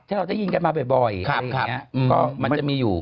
เชางะว่าจะยินได้ไงบ่อยค่ะ